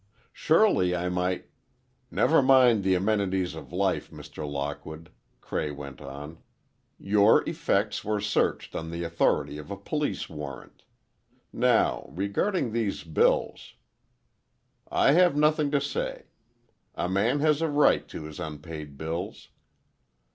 Surely I might—" "Never mind the amenities of life, Mr. Lockwood," Cray went on; "your effects were searched on the authority of a police warrant. Now, regarding these bills—" "I have nothing to say. A man has a right to his unpaid bills."